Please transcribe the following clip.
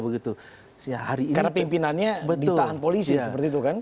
karena pimpinannya ditahan polisi